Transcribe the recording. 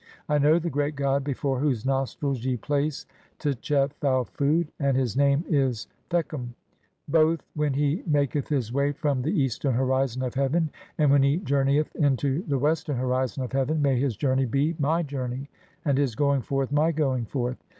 I know the great god before "whose nostrils ye place (33) tchefau food, and his name is "Thekem ; both when he maketh his way from the eastern ho "rizon of heaven and when he journeyeth into the western ho "rizon of heaven may his journey be (34) my journey, and his "going forth my going forth.